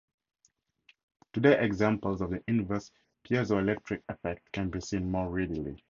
Today, examples of the inverse piezoelectric effect can be seen more readily.